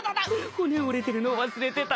骨折れてるの忘れてた。